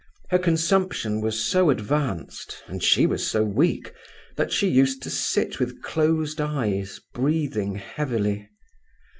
Her consumption was so advanced, and she was so weak, that she used to sit with closed eyes, breathing heavily.